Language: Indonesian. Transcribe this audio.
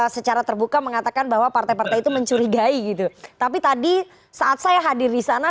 secara terbuka mengatakan bahwa partai partai itu mencurigai gitu tapi tadi saat saya hadir di sana